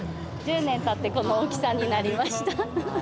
１０年たってこの大きさになりました。